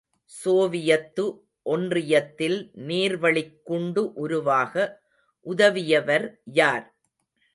Soviet ஒன்றியத்தில் நீர்வளிக் குண்டு உருவாக உதவியவர் யார்?